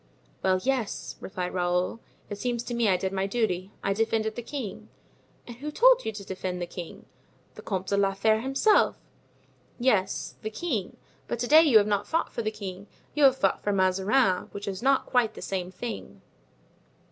"Well, yes," replied Raoul. "It seems to me I did my duty. I defended the king." "And who told you to defend the king?" "The Comte de la Fere himself." "Yes, the king; but to day you have not fought for the king, you have fought for Mazarin; which is not quite the same thing."